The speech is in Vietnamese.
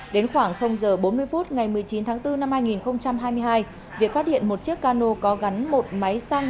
đến khoảng h bốn mươi phút ngày một mươi chín tháng bốn năm hai nghìn hai mươi hai việt phát hiện một chiếc cano có gắn một máy xăng